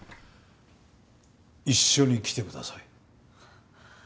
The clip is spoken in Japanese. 一緒に来てください。